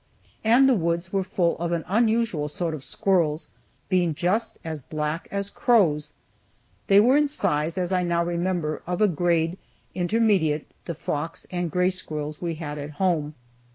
And the woods were full of an unusual sort of squirrels, being just as black as crows. They were in size, as I now remember, of a grade intermediate the fox and gray squirrels we had at home.